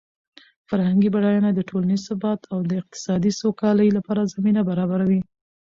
فرهنګي بډاینه د ټولنیز ثبات او د اقتصادي سوکالۍ لپاره زمینه برابروي.